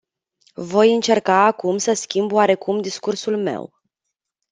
Voi încerca acum să schimb oarecum discursul meu.